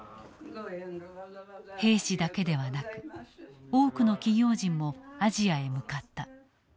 兵士だけではなく多くの企業人もアジアへ向かった。